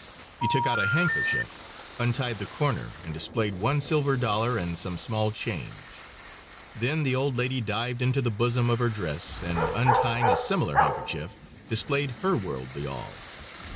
He took out a handkerchief, untied the corner and displayed one silver dollar and some small change; then the old lady dived into the bosom of her dress, and untying a similar handkerchief, displayed her worldly all.